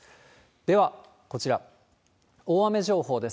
では、こちら、大雨情報です。